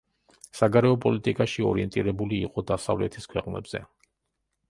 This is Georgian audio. საგარეო პოლიტიკაში ორიენტირებული იყო დასავლეთის ქვეყნებზე.